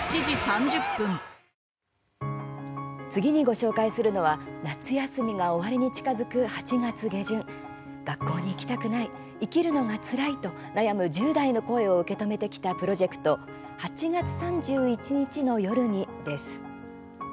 次にご紹介するのは夏休みが終わりに近づく８月下旬学校に行きたくない生きるのがつらいと悩む１０代の声を受け止めてきたプロジェクト「＃８月３１日の夜に。」です。